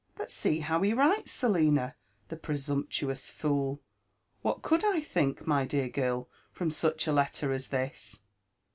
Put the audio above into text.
But see how he writes, Selina! The presumptuous fool! — What could I think, my dear girl, from such a letter as this?"